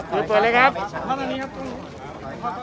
พี่พ่อกลับไปชะเทศนะพี่พ่อกลับไปชะเทศนะ